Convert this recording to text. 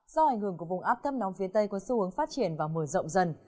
do ảnh hưởng của vùng áp thấp nóng phía tây có xu hướng phát triển và mở rộng dần